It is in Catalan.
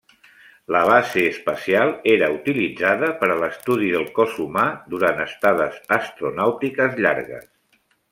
La Base Espacial era utilitzada per a l’estudi del cos humà durant estades astronàutiques llargues.